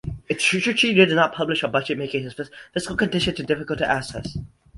Eritrea does not publish a budget, making its fiscal condition difficult to assess.